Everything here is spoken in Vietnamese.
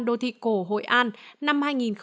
đô thị cổ hội an năm hai nghìn hai mươi